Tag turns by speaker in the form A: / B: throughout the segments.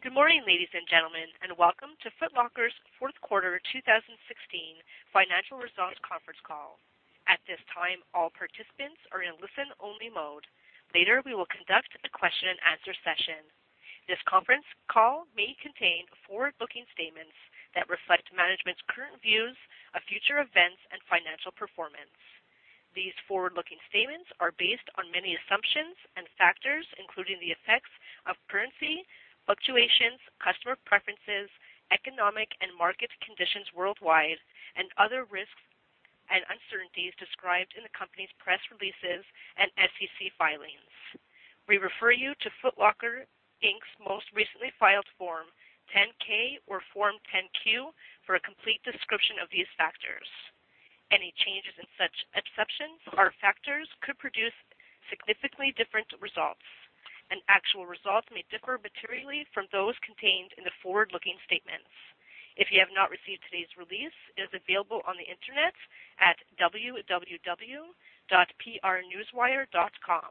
A: Good morning, ladies and gentlemen, and welcome to Foot Locker's fourth quarter 2016 financial results conference call. At this time, all participants are in listen-only mode. Later, we will conduct a question and answer session. This conference call may contain forward-looking statements that reflect management's current views of future events and financial performance. These forward-looking statements are based on many assumptions and factors, including the effects of currency fluctuations, customer preferences, economic and market conditions worldwide, and other risks and uncertainties described in the company's press releases and SEC filings. We refer you to Foot Locker, Inc.'s most recently filed Form 10-K or Form 10-Q for a complete description of these factors. Any changes in such assumptions or factors could produce significantly different results, and actual results may differ materially from those contained in the forward-looking statements. If you have not received today's release, it is available on the internet at www.prnewswire.com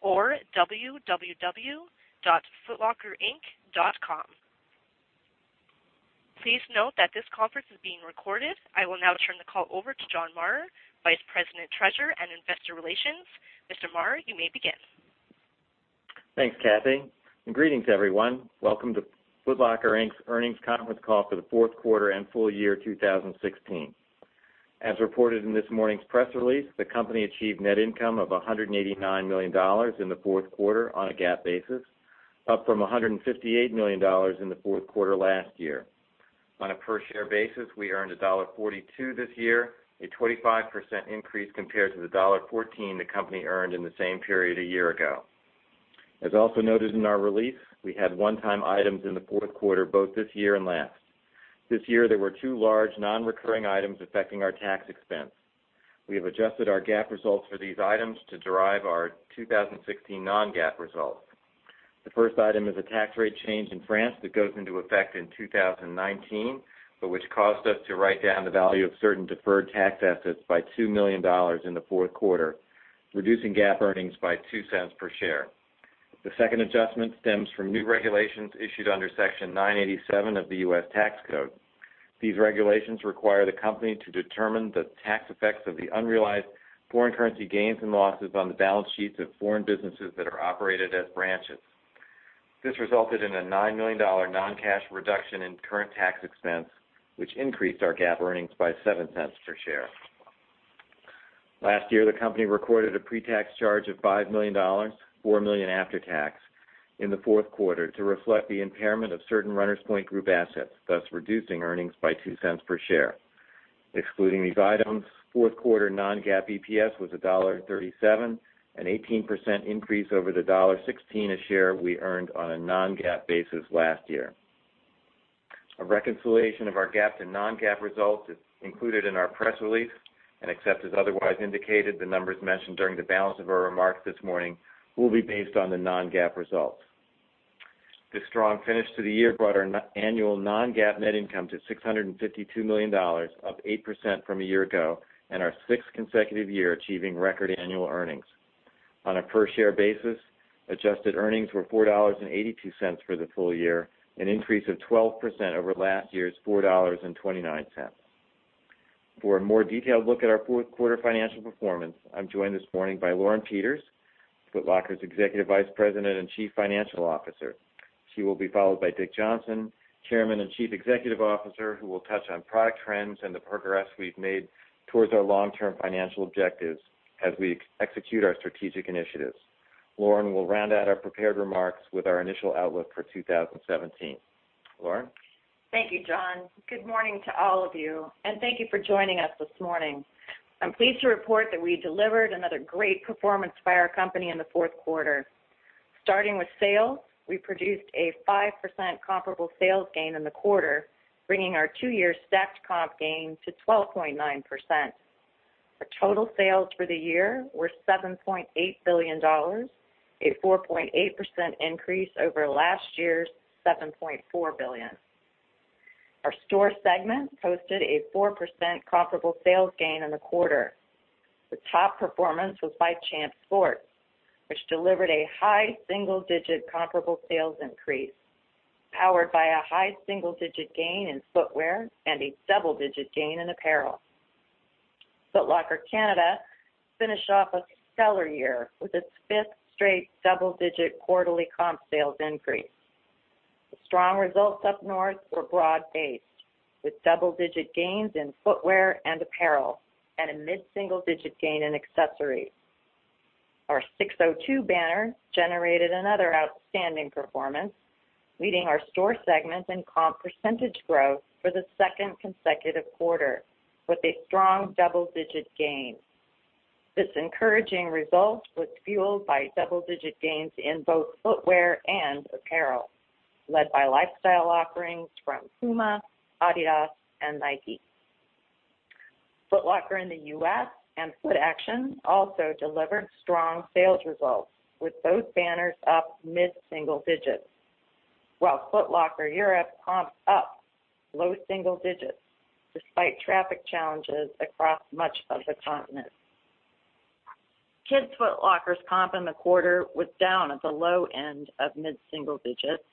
A: or www.footlocker-inc.com. Please note that this conference is being recorded. I will now turn the call over to John Maurer, Vice President, Treasurer, and Investor Relations. Mr. Maurer, you may begin.
B: Thanks, Kathy, and greetings, everyone. Welcome to Foot Locker, Inc.'s earnings conference call for the fourth quarter and full year 2016. As reported in this morning's press release, the company achieved net income of $189 million in the fourth quarter on a GAAP basis, up from $158 million in the fourth quarter last year. On a per-share basis, we earned $1.42 this year, a 25% increase compared to the $1.14 the company earned in the same period a year ago. As also noted in our release, we had one-time items in the fourth quarter, both this year and last. This year, there were two large non-recurring items affecting our tax expense. We have adjusted our GAAP results for these items to derive our 2016 non-GAAP results. The first item is a tax rate change in France that goes into effect in 2019, but which caused us to write down the value of certain deferred tax assets by $2 million in the fourth quarter, reducing GAAP earnings by $0.02 per share. The second adjustment stems from new regulations issued under Section 987 of the U.S. Tax Code. These regulations require the company to determine the tax effects of the unrealized foreign currency gains and losses on the balance sheets of foreign businesses that are operated as branches. This resulted in a $9 million non-cash reduction in current tax expense, which increased our GAAP earnings by $0.07 per share. Last year, the company recorded a pre-tax charge of $5 million, $4 million after tax, in the fourth quarter to reflect the impairment of certain Runners Point Group assets, thus reducing earnings by $0.02 per share. Excluding these items, fourth quarter non-GAAP EPS was $1.37, an 18% increase over the $1.16 a share we earned on a non-GAAP basis last year. A reconciliation of our GAAP to non-GAAP results is included in our press release. Except as otherwise indicated, the numbers mentioned during the balance of our remarks this morning will be based on the non-GAAP results. This strong finish to the year brought our annual non-GAAP net income to $652 million, up 8% from a year ago, and our sixth consecutive year achieving record annual earnings. On a per-share basis, adjusted earnings were $4.82 for the full year, an increase of 12% over last year's $4.29. For a more detailed look at our fourth quarter financial performance, I'm joined this morning by Lauren Peters, Foot Locker's Executive Vice President and Chief Financial Officer. She will be followed by Richard Johnson, Chairman and Chief Executive Officer, who will touch on product trends and the progress we've made towards our long-term financial objectives as we execute our strategic initiatives. Lauren will round out our prepared remarks with our initial outlook for 2017. Lauren?
C: Thank you, John. Good morning to all of you. Thank you for joining us this morning. I'm pleased to report that we delivered another great performance by our company in the fourth quarter. Starting with sales, we produced a 5% comparable sales gain in the quarter, bringing our two-year stacked comp gain to 12.9%. Our total sales for the year were $7.8 billion, a 4.8% increase over last year's $7.4 billion. Our store segment posted a 4% comparable sales gain in the quarter. The top performance was by Champs Sports, which delivered a high single-digit comparable sales increase, powered by a high single-digit gain in footwear and a double-digit gain in apparel. Foot Locker Canada finished off a stellar year with its fifth straight double-digit quarterly comp sales increase. The strong results up north were broad-based, with double-digit gains in footwear and apparel and a mid-single-digit gain in accessories. Our SIX:02 banner generated another outstanding performance, leading our store segment in comp percentage growth for the second consecutive quarter with a strong double-digit gain. This encouraging result was fueled by double-digit gains in both footwear and apparel, led by lifestyle offerings from Puma, Adidas, and Nike. Foot Locker in the U.S. and Footaction also delivered strong sales results, with both banners up mid-single digits, while Foot Locker Europe comped up low single digits despite traffic challenges across much of the continent. Kids Foot Locker's comp in the quarter was down at the low end of mid-single digits.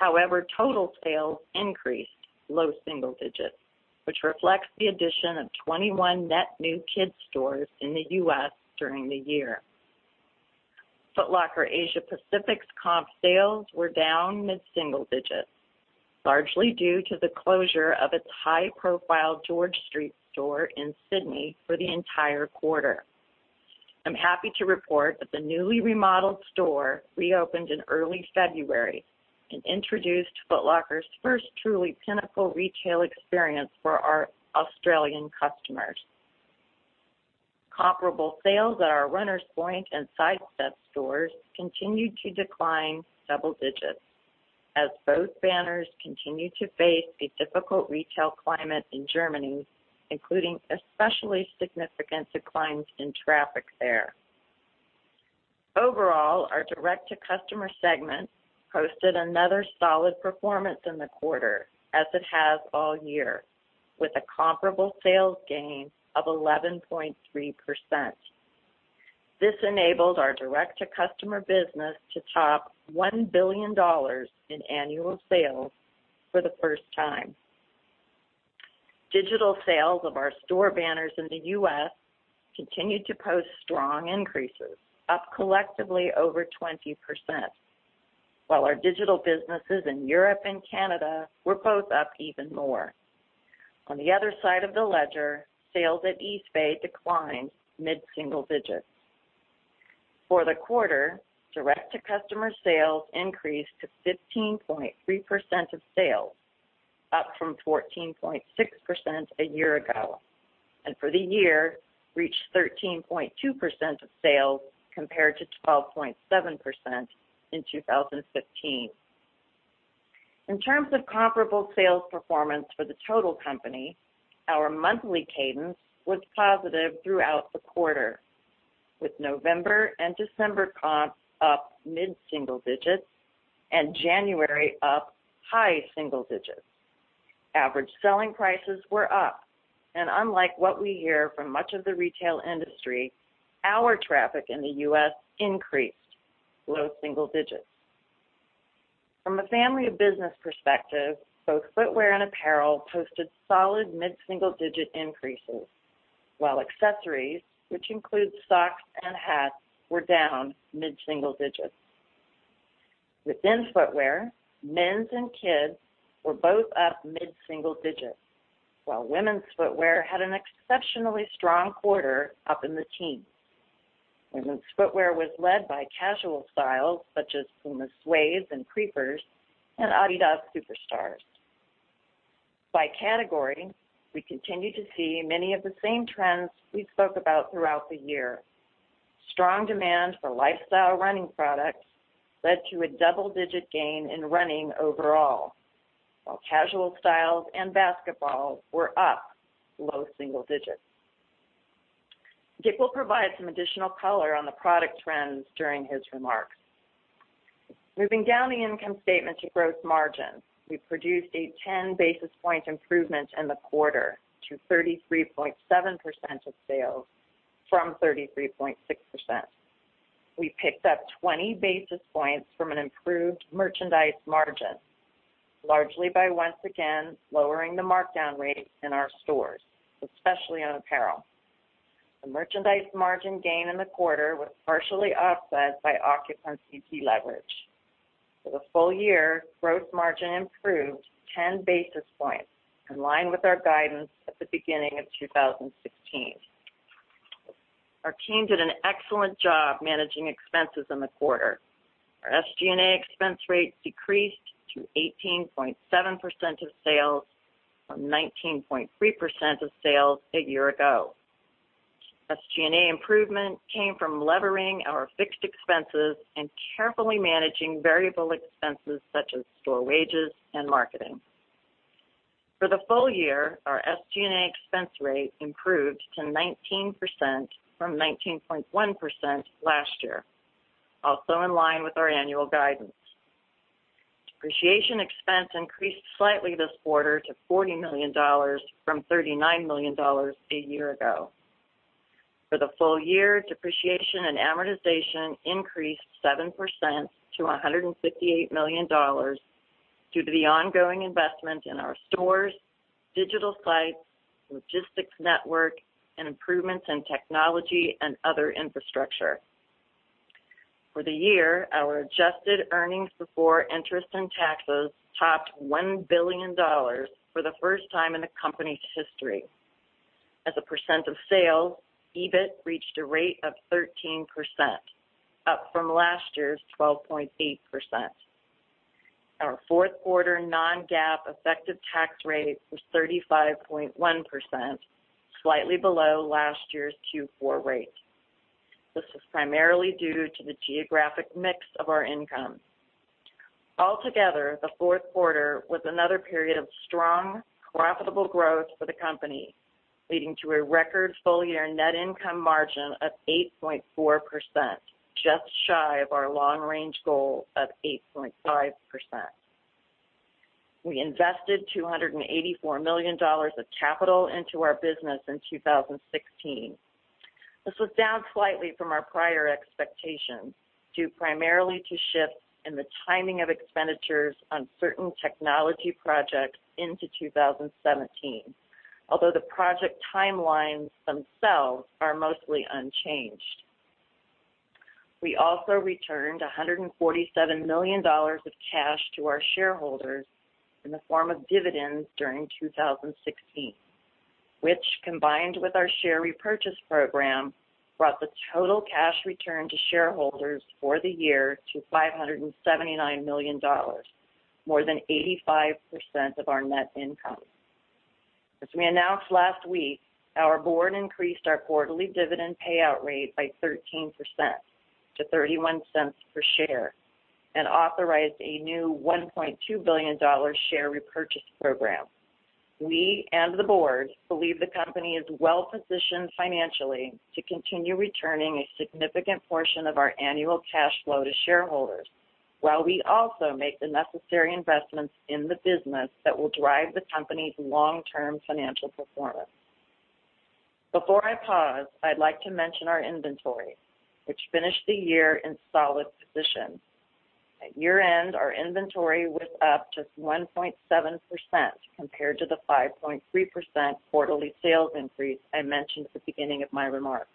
C: However, total sales increased low single digits, which reflects the addition of 21 net new kids stores in the U.S. during the year. Foot Locker Asia Pacific's comp sales were down mid-single digits, largely due to the closure of its high-profile George Street store in Sydney for the entire quarter. I'm happy to report that the newly remodeled store reopened in early February and introduced Foot Locker's first truly pinnacle retail experience for our Australian customers. Comparable sales at our Runners Point and Sidestep stores continued to decline double digits as both banners continue to face the difficult retail climate in Germany, including especially significant declines in traffic there. Overall, our direct-to-customer segment posted another solid performance in the quarter, as it has all year, with a comparable sales gain of 11.3%. This enabled our direct-to-customer business to top $1 billion in annual sales for the first time. Digital sales of our store banners in the U.S. continued to post strong increases, up collectively over 20%, while our digital businesses in Europe and Canada were both up even more. On the other side of the ledger, sales at Eastbay declined mid-single digits. For the quarter, direct-to-customer sales increased to 15.3% of sales, up from 14.6% a year ago, and for the year, reached 13.2% of sales, compared to 12.7% in 2015. In terms of comparable sales performance for the total company, our monthly cadence was positive throughout the quarter, with November and December comps up mid-single digits and January up high single digits. Average selling prices were up, and unlike what we hear from much of the retail industry, our traffic in the U.S. increased low single digits. From a family business perspective, both footwear and apparel posted solid mid-single-digit increases, while accessories, which includes socks and hats, were down mid-single digits. Within footwear, men's and kids were both up mid-single digits, while women's footwear had an exceptionally strong quarter, up in the teens. Women's footwear was led by casual styles such as Puma Suedes and Creepers and Adidas Superstars. By category, we continue to see many of the same trends we've spoke about throughout the year. Strong demand for lifestyle running products led to a double-digit gain in running overall, while casual styles and basketball were up low single digits. Dick will provide some additional color on the product trends during his remarks. Moving down the income statement to gross margins. We produced a 10-basis point improvement in the quarter to 33.7% of sales from 33.6%. We picked up 20 basis points from an improved merchandise margin, largely by once again lowering the markdown rates in our stores, especially on apparel. The merchandise margin gain in the quarter was partially offset by occupancy deleverage. For the full year, gross margin improved 10 basis points, in line with our guidance at the beginning of 2016. Our team did an excellent job managing expenses in the quarter. Our SG&A expense rate decreased to 18.7% of sales from 19.3% of sales a year ago. SG&A improvement came from levering our fixed expenses and carefully managing variable expenses such as store wages and marketing. For the full year, our SG&A expense rate improved to 19% from 19.1% last year, also in line with our annual guidance. Depreciation expense increased slightly this quarter to $40 million from $39 million a year ago. For the full year, depreciation and amortization increased 7% to $158 million due to the ongoing investment in our stores, digital sites, logistics network, and improvements in technology and other infrastructure. For the year, our adjusted earnings before interest and taxes topped $1 billion for the first time in the company's history. As a percent of sales, EBIT reached a rate of 13%, up from last year's 12.8%. Our fourth quarter non-GAAP effective tax rate was 35.1%, slightly below last year's Q4 rate. This is primarily due to the geographic mix of our income. Altogether, the fourth quarter was another period of strong, profitable growth for the company, leading to a record full-year net income margin of 8.4%, just shy of our long-range goal of 8.5%. We invested $284 million of capital into our business in 2016. This was down slightly from our prior expectations, due primarily to shifts in the timing of expenditures on certain technology projects into 2017, although the project timelines themselves are mostly unchanged. We also returned $147 million of cash to our shareholders in the form of dividends during 2016, which, combined with our share repurchase program, brought the total cash return to shareholders for the year to $579 million, more than 85% of our net income. As we announced last week, our board increased our quarterly dividend payout rate by 13% to $0.31 per share and authorized a new $1.2 billion share repurchase program. We and the board believe the company is well-positioned financially to continue returning a significant portion of our annual cash flow to shareholders, while we also make the necessary investments in the business that will drive the company's long-term financial performance. Before I pause, I'd like to mention our inventory, which finished the year in solid position. At year-end, our inventory was up just 1.7% compared to the 5.3% quarterly sales increase I mentioned at the beginning of my remarks.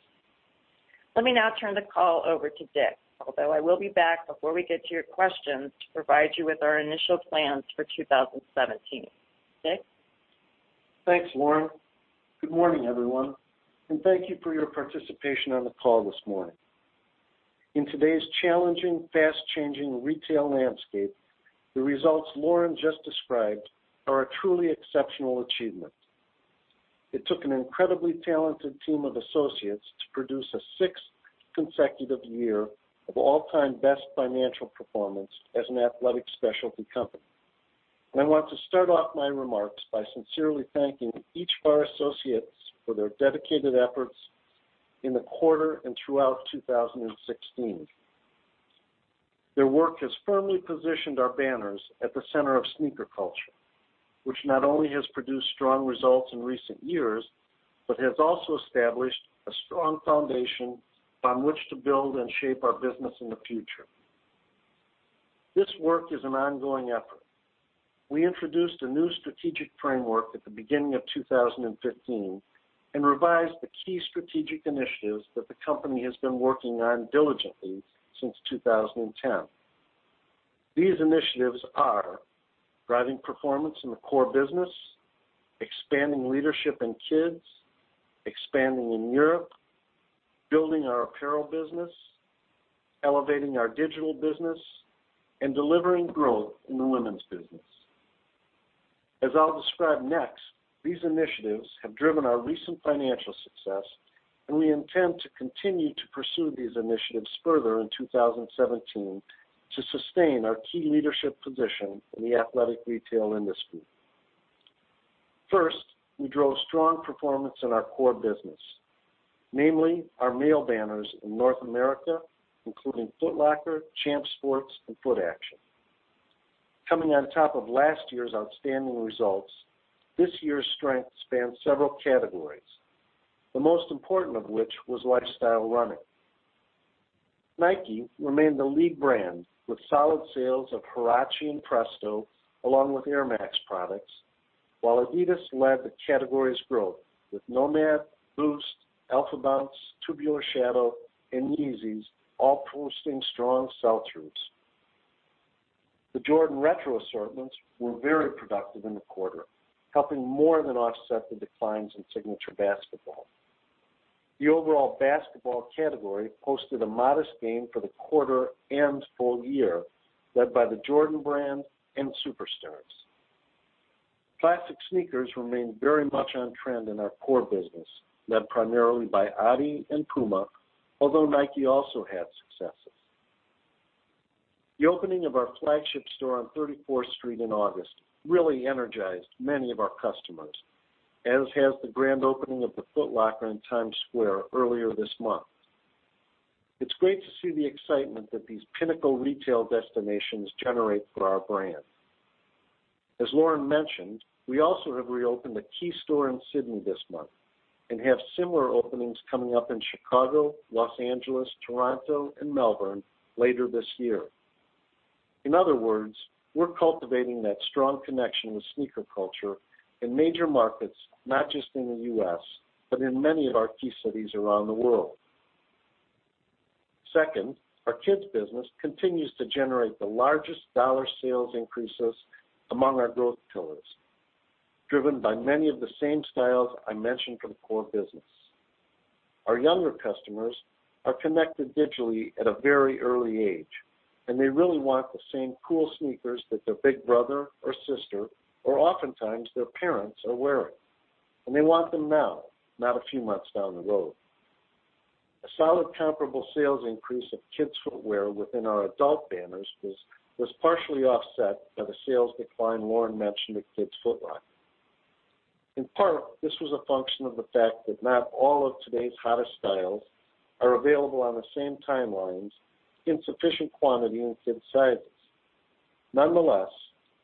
C: Let me now turn the call over to Dick, although I will be back before we get to your questions to provide you with our initial plans for 2017. Dick?
D: Thanks, Lauren. Good morning, everyone, and thank you for your participation on the call this morning. In today's challenging, fast-changing retail landscape, the results Lauren just described are a truly exceptional achievement. It took an incredibly talented team of associates to produce a sixth consecutive year of all-time best financial performance as an athletic specialty company. I want to start off my remarks by sincerely thanking each of our associates for their dedicated efforts in the quarter and throughout 2016. Their work has firmly positioned our banners at the center of sneaker culture, which not only has produced strong results in recent years, but has also established a strong foundation on which to build and shape our business in the future. This work is an ongoing effort. We introduced a new strategic framework at the beginning of 2015 and revised the key strategic initiatives that the company has been working on diligently since 2010. These initiatives are driving performance in the core business, expanding leadership in kids, expanding in Europe, building our apparel business, elevating our digital business, and delivering growth in the women's business. As I'll describe next, these initiatives have driven our recent financial success, and we intend to continue to pursue these initiatives further in 2017 to sustain our key leadership position in the athletic retail industry. First, we drove strong performance in our core business, namely our male banners in North America, including Foot Locker, Champs Sports and Footaction. Coming on top of last year's outstanding results, this year's strength spans several categories, the most important of which was lifestyle running. Nike remained the lead brand with solid sales of Huarache and Presto, along with Air Max products, while Adidas led the category's growth with NMD, Boost, Alphabounce, Tubular Shadow, and Yeezys all posting strong sell-throughs. The Jordan retro assortments were very productive in the quarter, helping more than offset the declines in signature basketball. The overall basketball category posted a modest gain for the quarter and full year, led by the Jordan Brand and Superstars. Classic sneakers remained very much on trend in our core business, led primarily by Adi and Puma, although Nike also had successes. The opening of our flagship store on 34th Street in August really energized many of our customers, as has the grand opening of the Foot Locker in Times Square earlier this month. It's great to see the excitement that these pinnacle retail destinations generate for our brand. As Lauren mentioned, we also have reopened a key store in Sydney this month and have similar openings coming up in Chicago, Los Angeles, Toronto, and Melbourne later this year. In other words, we're cultivating that strong connection with sneaker culture in major markets, not just in the U.S., but in many of our key cities around the world. Second, our kids business continues to generate the largest dollar sales increases among our growth pillars, driven by many of the same styles I mentioned from core business. Our younger customers are connected digitally at a very early age, they really want the same cool sneakers that their big brother or sister or oftentimes their parents are wearing. They want them now, not a few months down the road. A solid comparable sales increase of kids footwear within our adult banners was partially offset by the sales decline Lauren mentioned at Kids Foot Locker. In part, this was a function of the fact that not all of today's hottest styles are available on the same timelines in sufficient quantity in kids sizes. Nonetheless,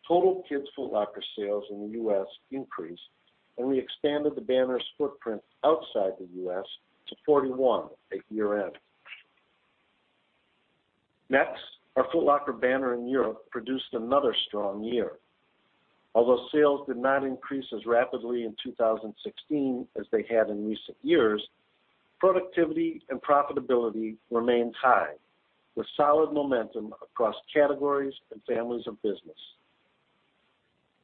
D: total Kids Foot Locker sales in the U.S. increased, we expanded the banner's footprint outside the U.S. to 41 at year-end. Next, our Foot Locker banner in Europe produced another strong year. Although sales did not increase as rapidly in 2016 as they had in recent years, productivity and profitability remained high, with solid momentum across categories and families of business.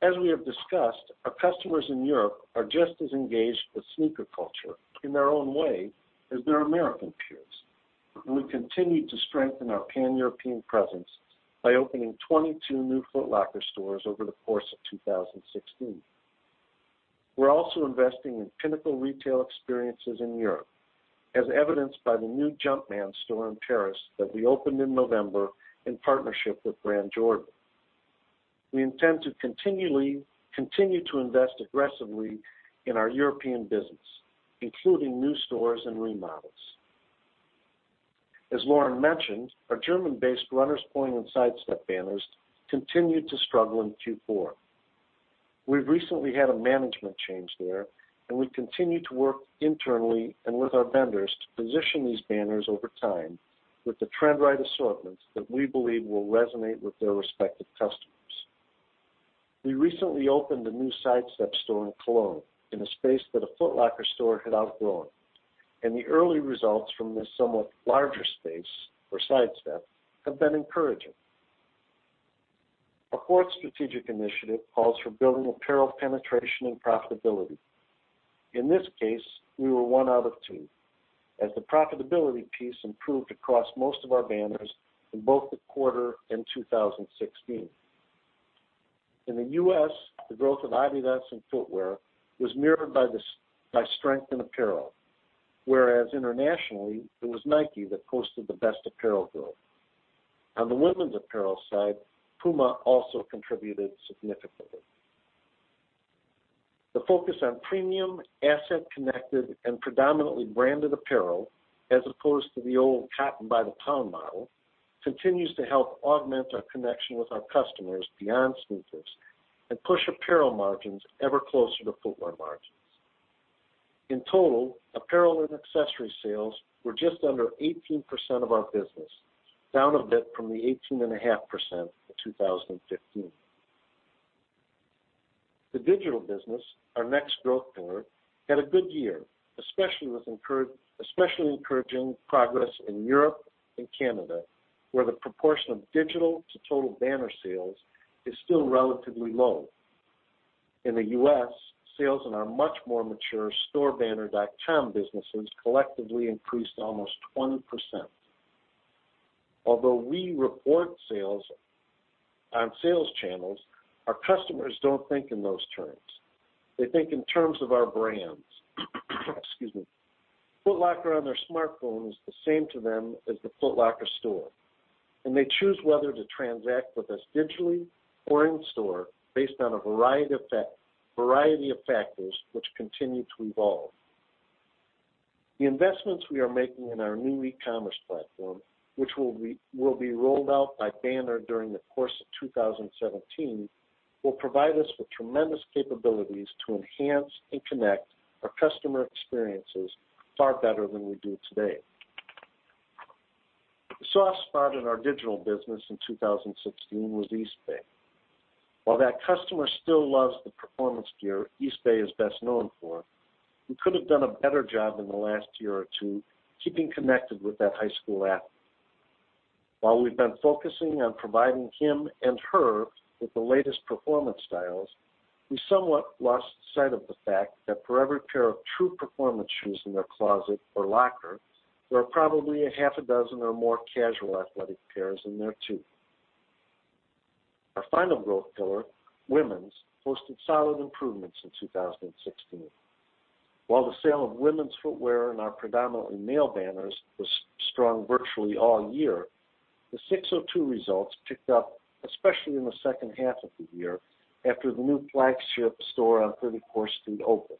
D: As we have discussed, our customers in Europe are just as engaged with sneaker culture in their own way as their American peers. We continued to strengthen our pan-European presence by opening 22 new Foot Locker stores over the course of 2016. We're also investing in pinnacle retail experiences in Europe, as evidenced by the new Jumpman store in Paris that we opened in November in partnership with Jordan Brand. We intend to continue to invest aggressively in our European business, including new stores and remodels. As Lauren mentioned, our German-based Runners Point and Sidestep banners continued to struggle in Q4. We've recently had a management change there, we continue to work internally and with our vendors to position these banners over time with the trend-right assortments that we believe will resonate with their respective customers. We recently opened a new Sidestep store in Cologne in a space that a Foot Locker store had outgrown, the early results from this somewhat larger space for Sidestep have been encouraging. Our fourth strategic initiative calls for building apparel penetration and profitability. In this case, we were one out of two, as the profitability piece improved across most of our banners in both the quarter and 2016. In the U.S., the growth of Adidas and footwear was mirrored by strength in apparel. Whereas internationally, it was Nike that posted the best apparel growth. On the women's apparel side, Puma also contributed significantly. The focus on premium, asset connected, and predominantly branded apparel, as opposed to the old cotton by the pound model, continues to help augment our connection with our customers beyond sneakers and push apparel margins ever closer to footwear margins. In total, apparel and accessory sales were just under 18% of our business, down a bit from the 18.5% in 2015. The digital business, our next growth pillar, had a good year, especially encouraging progress in Europe and Canada, where the proportion of digital to total banner sales is still relatively low. In the U.S., sales in our much more mature storebanner.com businesses collectively increased almost 20%. Although we report sales on sales channels, our customers don't think in those terms. They think in terms of our brands. Excuse me. Foot Locker on their smartphone is the same to them as the Foot Locker store, and they choose whether to transact with us digitally or in store based on a variety of factors which continue to evolve. The investments we are making in our new e-commerce platform, which will be rolled out by banner during the course of 2017, will provide us with tremendous capabilities to enhance and connect our customer experiences far better than we do today. The soft spot in our digital business in 2016 was Eastbay. While that customer still loves the performance gear Eastbay is best known for, we could have done a better job in the last year or two keeping connected with that high school athlete. While we've been focusing on providing him and her with the latest performance styles, we somewhat lost sight of the fact that for every pair of true performance shoes in their closet or locker, there are probably a half a dozen or more casual athletic pairs in there, too. Our final growth pillar, women's, posted solid improvements in 2016. While the sale of women's footwear in our predominantly male banners was strong virtually all year, the SIX:02 results picked up especially in the second half of the year after the new flagship store on 34th Street opened.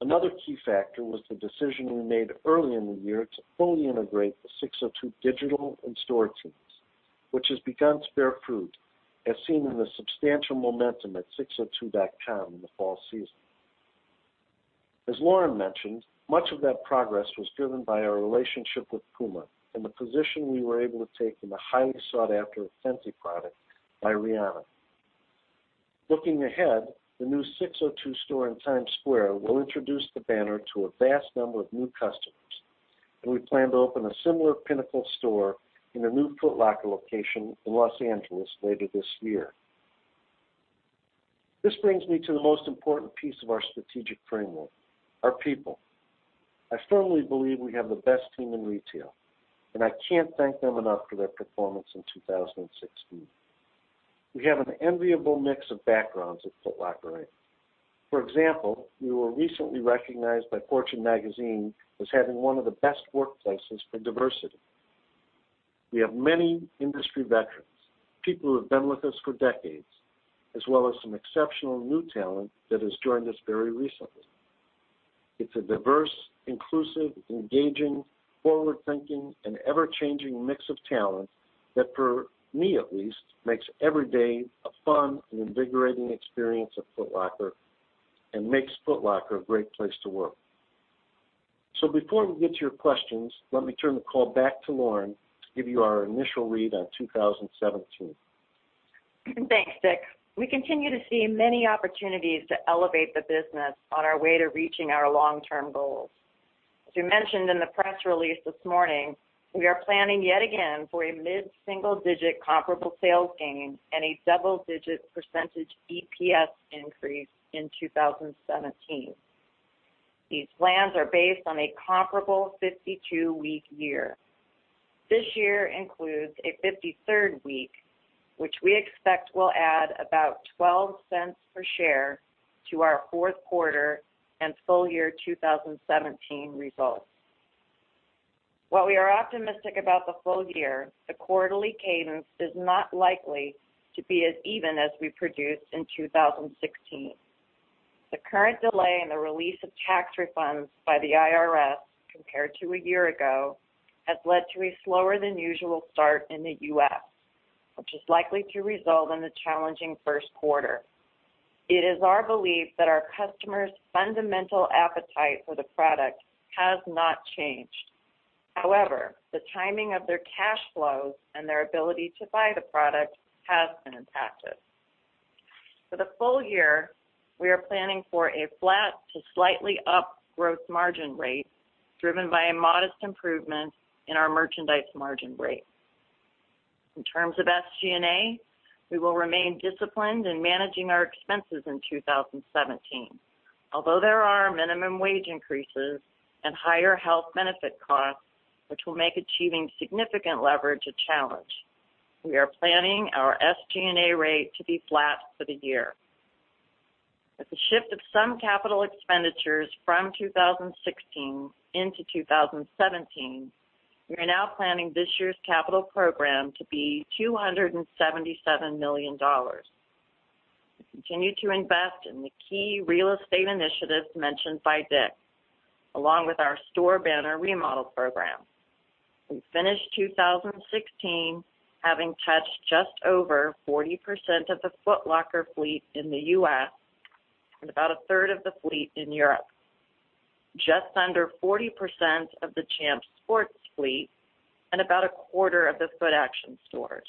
D: Another key factor was the decision we made early in the year to fully integrate the SIX:02 digital and store teams, which has begun to bear fruit, as seen in the substantial momentum at six:02.com in the fall season. As Lauren mentioned, much of that progress was driven by our relationship with Puma and the position we were able to take in the highly sought-after Fenty product by Rihanna. Looking ahead, the new SIX:02 store in Times Square will introduce the banner to a vast number of new customers, and we plan to open a similar pinnacle store in a new Foot Locker location in Los Angeles later this year. This brings me to the most important piece of our strategic framework, our people. I firmly believe we have the best team in retail, and I can't thank them enough for their performance in 2016. We have an enviable mix of backgrounds at Foot Locker, Inc. For example, we were recently recognized by Fortune as having one of the best workplaces for diversity. We have many industry veterans, people who have been with us for decades, as well as some exceptional new talent that has joined us very recently. It's a diverse, inclusive, engaging, forward-thinking, and ever-changing mix of talent that, for me at least, makes every day a fun and invigorating experience at Foot Locker and makes Foot Locker a great place to work. Before we get to your questions, let me turn the call back to Lauren to give you our initial read on 2017.
C: Thanks, Dick. We continue to see many opportunities to elevate the business on our way to reaching our long-term goals. As we mentioned in the press release this morning, we are planning yet again for a mid-single-digit comparable sales gain and a double-digit % EPS increase in 2017. These plans are based on a comparable 52-week year. This year includes a 53rd week, which we expect will add about $0.12 per share to our fourth quarter and full year 2017 results. While we are optimistic about the full year, the quarterly cadence is not likely to be as even as we produced in 2016. The current delay in the release of tax refunds by the IRS compared to a year ago has led to a slower than usual start in the U.S., which is likely to result in a challenging first quarter. It is our belief that our customers' fundamental appetite for the product has not changed. However, the timing of their cash flows and their ability to buy the product has been impacted. For the full year, we are planning for a flat to slightly up growth margin rate, driven by a modest improvement in our merchandise margin rate. In terms of SG&A, we will remain disciplined in managing our expenses in 2017. Although there are minimum wage increases and higher health benefit costs, which will make achieving significant leverage a challenge. We are planning our SG&A rate to be flat for the year. With the shift of some capital expenditures from 2016 into 2017, we are now planning this year's capital program to be $277 million. We continue to invest in the key real estate initiatives mentioned by Dick, along with our store banner remodel program. We finished 2016 having touched just over 40% of the Foot Locker fleet in the U.S. and about a third of the fleet in Europe, just under 40% of the Champs Sports fleet, and about a quarter of the Footaction stores.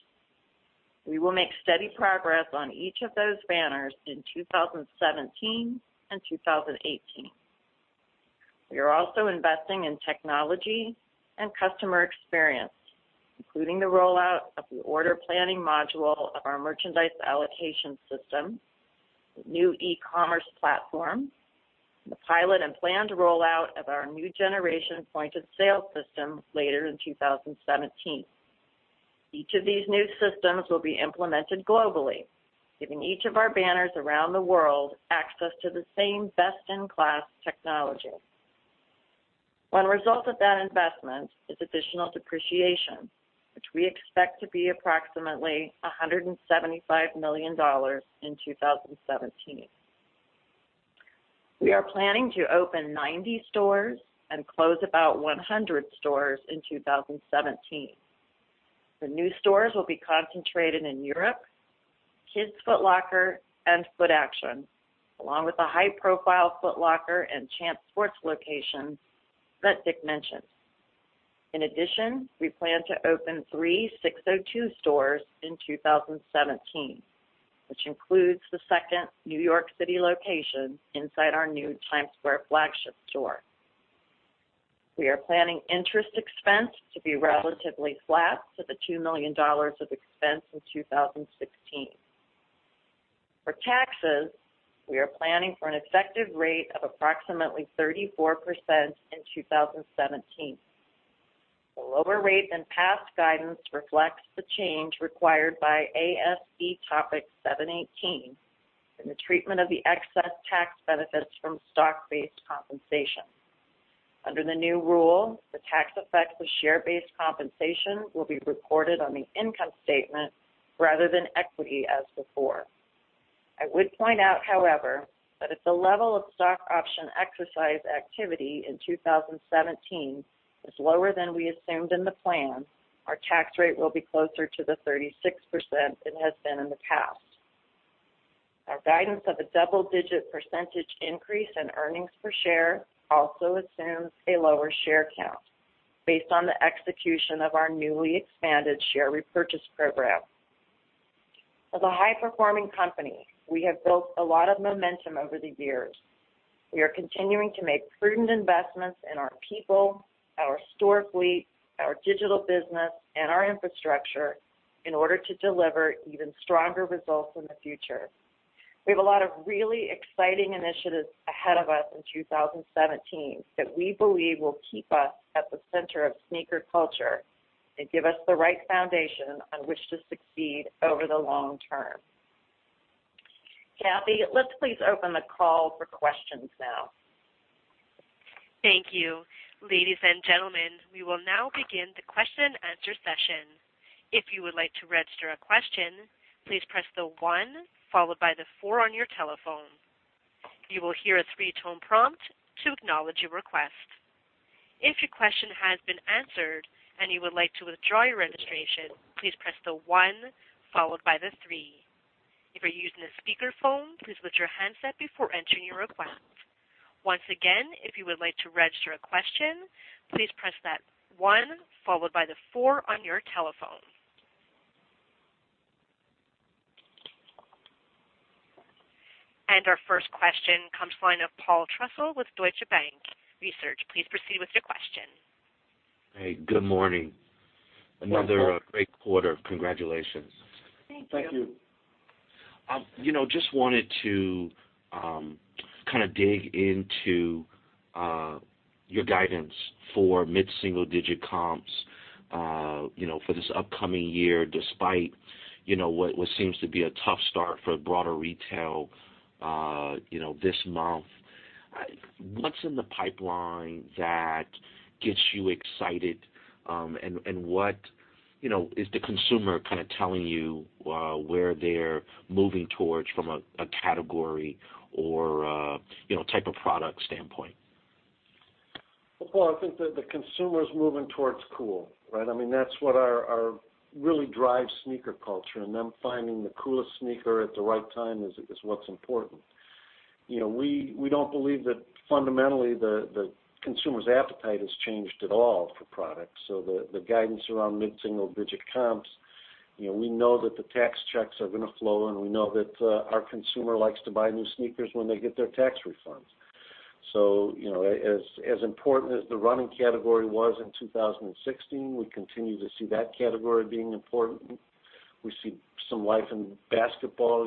C: We will make steady progress on each of those banners in 2017 and 2018. We are also investing in technology and customer experience, including the rollout of the order planning module of our merchandise allocation system, new e-commerce platform, the pilot and planned rollout of our new generation point of sale system later in 2017. Each of these new systems will be implemented globally, giving each of our banners around the world access to the same best-in-class technology. One result of that investment is additional depreciation, which we expect to be approximately $175 million in 2017. We are planning to open 90 stores and close about 100 stores in 2017. The new stores will be concentrated in Europe, Kids Foot Locker, and Footaction, along with the high-profile Foot Locker and Champs Sports locations that Dick mentioned. In addition, we plan to open three SIX:02 stores in 2017, which includes the second New York City location inside our new Times Square flagship store. We are planning interest expense to be relatively flat to the $2 million of expense in 2016. For taxes, we are planning for an effective rate of approximately 34% in 2017. The lower rate than past guidance reflects the change required by ASC Topic 718 and the treatment of the excess tax benefits from stock-based compensation. Under the new rule, the tax effect of share-based compensation will be reported on the income statement rather than equity as before. I would point out, however, that if the level of stock option exercise activity in 2017 is lower than we assumed in the plan, our tax rate will be closer to the 36% it has been in the past. Our guidance of a double-digit percentage increase in earnings per share also assumes a lower share count based on the execution of our newly expanded share repurchase program. As a high-performing company, we have built a lot of momentum over the years. We are continuing to make prudent investments in our people, our store fleet, our digital business, and our infrastructure in order to deliver even stronger results in the future. We have a lot of really exciting initiatives ahead of us in 2017 that we believe will keep us at the center of sneaker culture and give us the right foundation on which to succeed over the long term. Kathy, let's please open the call for questions now.
A: Thank you. Ladies and gentlemen, we will now begin the question and answer session. If you would like to register a question, please press the one followed by the four on your telephone. You will hear a three-tone prompt to acknowledge your request. If your question has been answered and you would like to withdraw your registration, please press the one followed by the three. If you're using a speakerphone, please mute your handset before entering your request. Once again, if you would like to register a question, please press that one followed by the four on your telephone. Our first question comes to the line of Paul Trussell with Deutsche Bank Research. Please proceed with your question.
E: Hey, good morning.
D: Good morning.
E: Another great quarter. Congratulations.
C: Thank you.
D: Thank you.
E: Just wanted to dig into your guidance for mid-single-digit comps for this upcoming year, despite what seems to be a tough start for broader retail this month. What's in the pipeline that gets you excited, and what is the consumer telling you where they're moving towards from a category or type of product standpoint?
D: Well, Paul, I think that the consumer is moving towards cool, right? That's what really drives sneaker culture, and them finding the coolest sneaker at the right time is what's important. We don't believe that fundamentally the consumer's appetite has changed at all for product. The guidance around mid-single-digit comps, we know that the tax checks are going to flow, and we know that our consumer likes to buy new sneakers when they get their tax refunds. As important as the running category was in 2016, we continue to see that category being important. We see some life in basketball.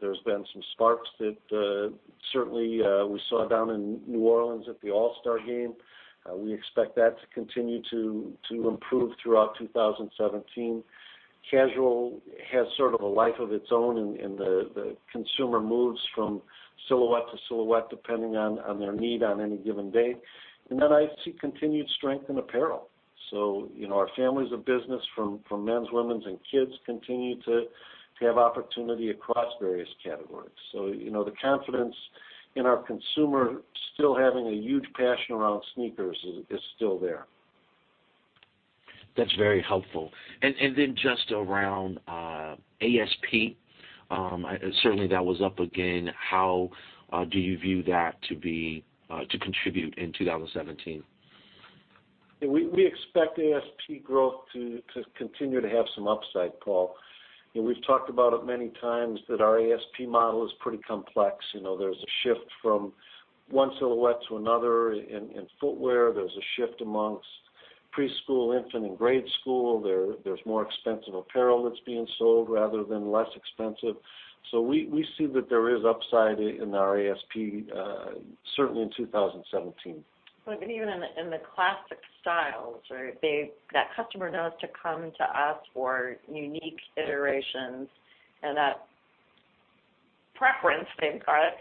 D: There's been some sparks that certainly we saw down in New Orleans at the All-Star game. We expect that to continue to improve throughout 2017. Casual has sort of a life of its own, and the consumer moves from silhouette to silhouette, depending on their need on any given day. I see continued strength in apparel. Our families of business from men's, women's, and kids continue to have opportunity across various categories. The confidence in our consumer still having a huge passion around sneakers is still there.
E: That's very helpful. Then just around ASP, certainly that was up again. How do you view that to contribute in 2017?
D: We expect ASP growth to continue to have some upside, Paul. We've talked about it many times that our ASP model is pretty complex. There's a shift from one silhouette to another in footwear. There's a shift amongst preschool, infant, and grade school. There's more expensive apparel that's being sold rather than less expensive. We see that there is upside in our ASP, certainly in 2017.
C: Even in the classic styles, that customer knows to come to us for unique iterations and that preference, thank God,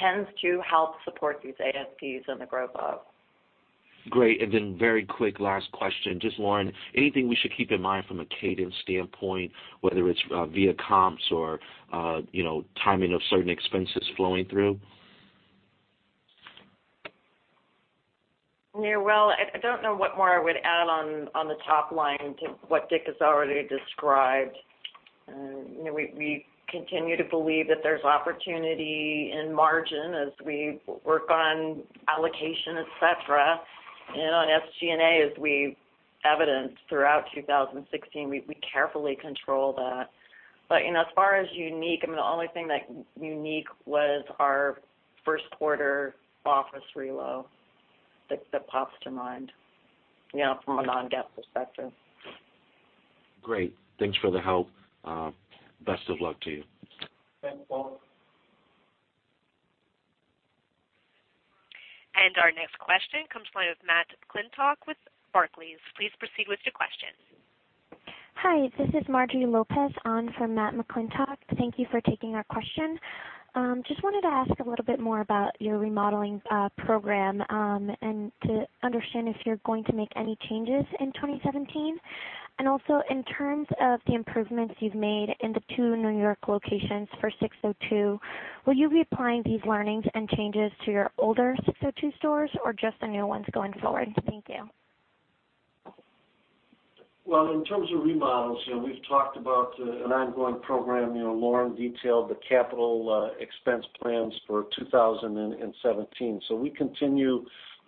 C: tends to help support these ASPs and the growth up.
E: Great. Then very quick last question. Just Lauren, anything we should keep in mind from a cadence standpoint, whether it's via comps or timing of certain expenses flowing through?
C: Well, I don't know what more I would add on the top line to what Dick has already described. We continue to believe that there's opportunity in margin as we work on allocation, et cetera. On SG&A, as we evidenced throughout 2016, we carefully control that. As far as unique, the only thing that unique was our first quarter office relo that pops to mind from a non-GAAP perspective.
E: Great. Thanks for the help. Best of luck to you.
D: Thanks, Paul.
A: Our next question comes through with Matt McClintock with Barclays. Please proceed with your question.
F: Hi, this is Marjorie Lopez on for Matt McClintock. Thank you for taking our question. Just wanted to ask a little bit more about your remodeling program, to understand if you're going to make any changes in 2017. Also, in terms of the improvements you've made in the two New York locations for SIX:02, will you be applying these learnings and changes to your older SIX:02 stores or just the new ones going forward? Thank you.
D: Well, in terms of remodels, we've talked about an ongoing program. Lauren detailed the capital expense plans for 2017.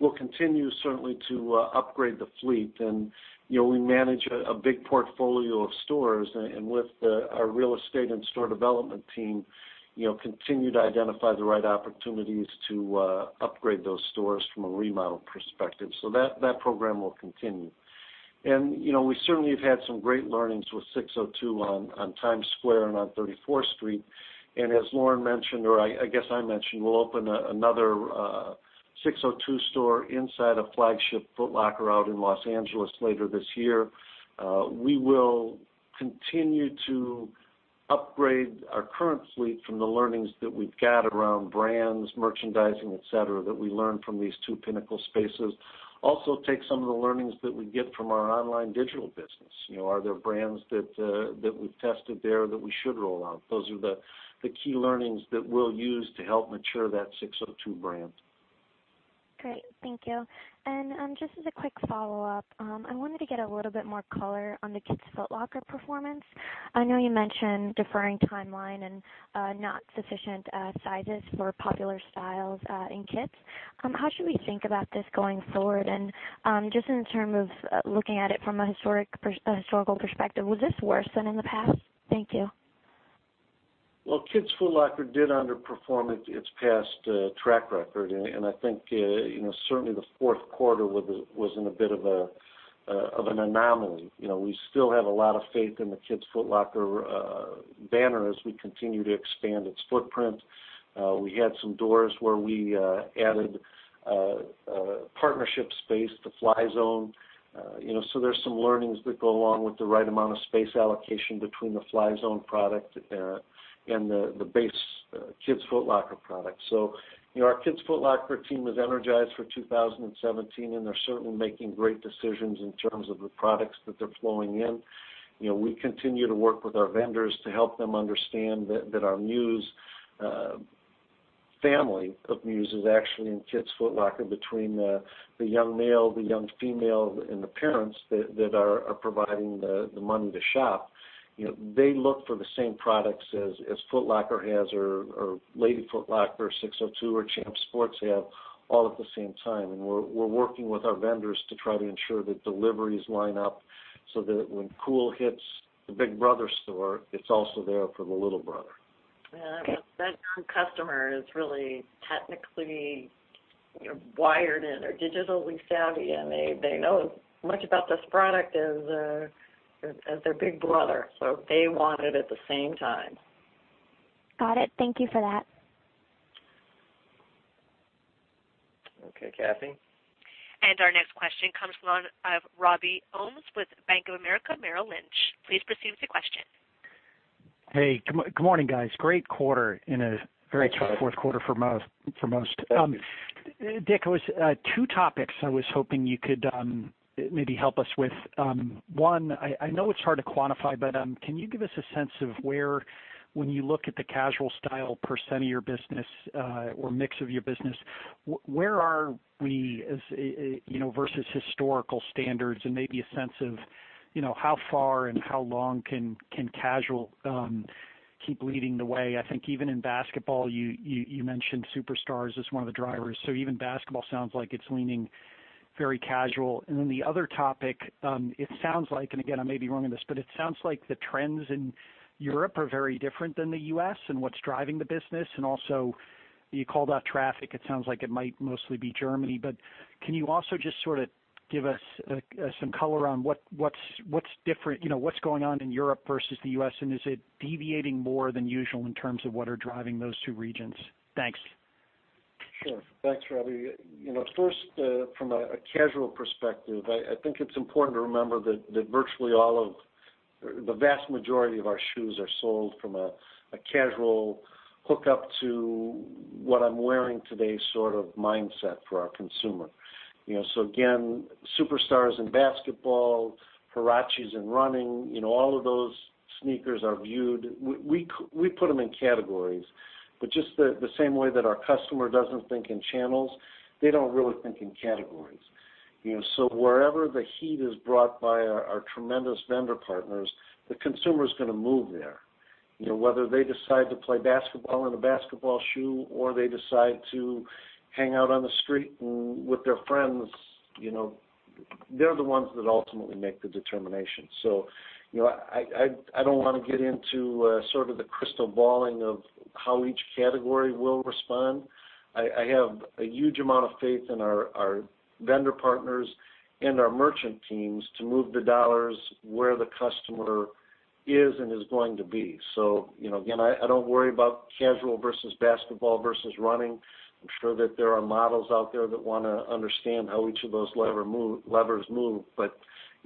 D: We'll continue certainly to upgrade the fleet, and we manage a big portfolio of stores and with our real estate and store development team, continue to identify the right opportunities to upgrade those stores from a remodel perspective. That program will continue. We certainly have had some great learnings with SIX:02 on Times Square and on 34th Street. As Lauren mentioned, or I guess I mentioned, we'll open another SIX:02 store inside a flagship Foot Locker out in Los Angeles later this year. We will continue to upgrade our current fleet from the learnings that we've got around brands, merchandising, et cetera, that we learn from these two pinnacle spaces. Also take some of the learnings that we get from our online digital business. Are there brands that we've tested there that we should roll out? Those are the key learnings that we'll use to help mature that SIX:02 brand.
F: Great. Thank you. Just as a quick follow-up. I wanted to get a little bit more color on the Kids Foot Locker performance. I know you mentioned deferring timeline and not sufficient sizes for popular styles in kids. How should we think about this going forward? Just in terms of looking at it from a historical perspective, was this worse than in the past? Thank you.
D: Well, Kids Foot Locker did underperform its past track record, and I think certainly the fourth quarter was in a bit of an anomaly. We still have a lot of faith in the Kids Foot Locker banner as we continue to expand its footprint. We had some doors where we added partnership space to Fly Zone. There's some learnings that go along with the right amount of space allocation between the Fly Zone product and the base Kids Foot Locker product. Our Kids Foot Locker team was energized for 2017, and they're certainly making great decisions in terms of the products that they're flowing in. We continue to work with our vendors to help them understand that our family of muse is actually in Kids Foot Locker between the young male, the young female, and the parents that are providing the money to shop. They look for the same products as Foot Locker has or Lady Foot Locker, or SIX:02, or Champs Sports have all at the same time. We're working with our vendors to try to ensure that deliveries line up so that when cool hits the big brother store, it's also there for the little brother.
C: Yeah. That customer is really technically wired in or digitally savvy, and they know as much about this product as their big brother. They want it at the same time.
F: Got it. Thank you for that.
D: Okay. Kathy?
A: Our next question comes from Robert Ohmes with Bank of America Merrill Lynch. Please proceed with your question.
G: Hey, good morning, guys. Great quarter.
D: Thanks, Robbie.
G: In a very tough fourth quarter for most. Dick, two topics I was hoping you could maybe help us with. Maybe a sense of where, when you look at the casual style % of your business or mix of your business, where are we versus historical standards? And maybe a sense of how far and how long can casual keep leading the way? I think even in basketball, you mentioned Superstars as one of the drivers. Even basketball sounds like it's leaning very casual. The other topic. It sounds like, and again, I may be wrong in this, but it sounds like the trends in Europe are very different than the U.S. in what's driving the business. You called out traffic. It sounds like it might mostly be Germany, but can you also just sort of give us some color on what's different, what's going on in Europe versus the U.S., and is it deviating more than usual in terms of what are driving those two regions? Thanks.
D: Sure. Thanks, Robbie. First, from a casual perspective, I think it's important to remember that virtually all of the vast majority of our shoes are sold from a casual hookup to what I'm wearing today sort of mindset for our consumer. Again, Superstars in basketball, Huaraches in running, all of those sneakers are viewed. We put them in categories. Just the same way that our customer doesn't think in channels, they don't really think in categories. Wherever the heat is brought by our tremendous vendor partners, the consumer's going to move there. Whether they decide to play basketball in a basketball shoe or they decide to hang out on the street with their friends, they're the ones that ultimately make the determination. I don't want to get into sort of the crystal balling of how each category will respond. I have a huge amount of faith in our vendor partners and our merchant teams to move the dollars where the customer is and is going to be. Again, I don't worry about casual versus basketball versus running. I'm sure that there are models out there that want to understand how each of those levers move.